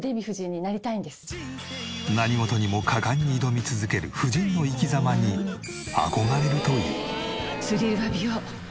何事にも果敢に挑み続ける夫人の生き様に憧れるという。